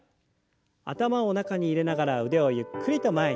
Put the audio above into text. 頭を中に入れながら腕をゆっくりと前に。